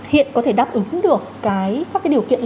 hiện có thể đáp ứng được các điều kiện